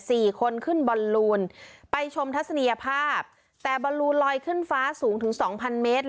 สี่คนขึ้นบอลลูนไปชมทัศนียภาพแต่บอลลูนลอยขึ้นฟ้าสูงถึงสองพันเมตร